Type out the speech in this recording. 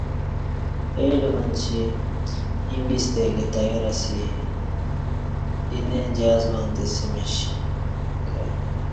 اڈہ منچی ییں ویستہ کہ تیار اسی اینہ ایموستہ جہاز ونگتسمش کہ